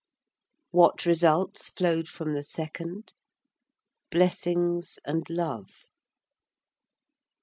What results flowed from the second? Blessings and love.